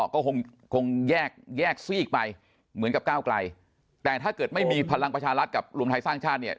ก็คงแยกแยกซีกไปเหมือนกับก้าวไกลแต่ถ้าเกิดไม่มีพลังประชารัฐกับรวมไทยสร้างชาติเนี่ย